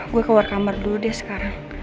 gue keluar kamar dulu deh sekarang